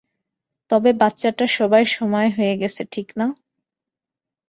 তবে বাচ্চাটার শোবার সময় হয়ে গেছে, ঠিক না?